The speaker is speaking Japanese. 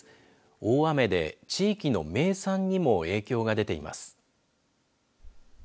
大雨で地域の名産にも影響が出ています。